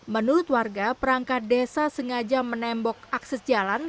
menurut warga perangkat desa sengaja menembok akses jalan